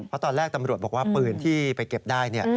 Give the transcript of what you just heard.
พอตอนแรกอำนาจบรวจว่าปืนที่คนที่ไปเก็บได้